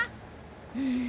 うん。